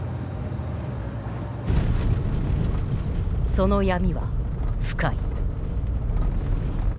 その闇は深い。